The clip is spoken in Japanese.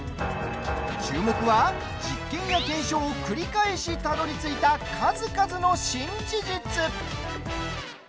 注目は、実験や検証を繰り返したどりついた数々の新事実。